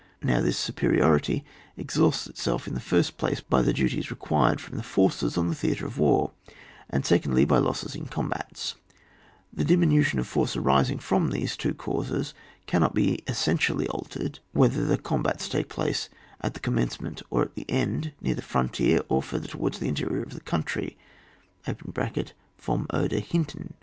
Now this superiority exhausts itself in the flrst place by the duties required from the forces on the theatre of war, and secondly by losses in combats ; the diminution of force arising from these two causes can not be essentially altered, whether the combats take place at the commencement or at the end, near the frontier, or fur ther towards the interior of the country ( vom oderhinten).